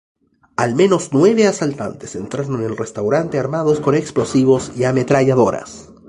Al menos nueve asaltantes entraron en el restaurante armados con explosivos y ametralladoras.